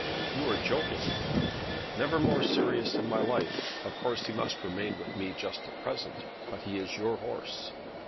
"You are joking." "Never more serious in my life. Of course he must remain with me just at present, but he is your horse."